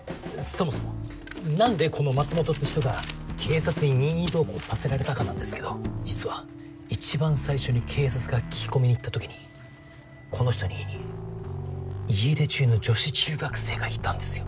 そもそも何でこの松本って人が警察に任意同行させられたかなんですけど実は一番最初に警察が聞き込みに行ったときにこの人の家に家出中の女子中学生がいたんですよ。